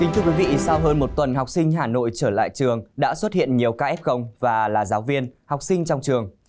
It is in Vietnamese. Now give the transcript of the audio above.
thưa quý vị sau hơn một tuần học sinh hà nội trở lại trường đã xuất hiện nhiều ca f và là giáo viên học sinh trong trường